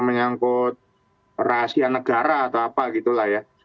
menyangkut rahasia negara atau apa gitu lah ya